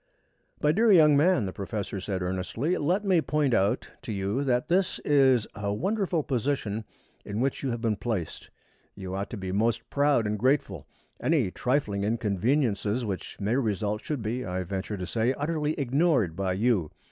"My dear young man," the professor said earnestly, "let me point out to you that this is a wonderful position in which you have been placed. You ought to be most proud and grateful. Any trifling inconveniences which may result should be, I venture to say, utterly ignored by you.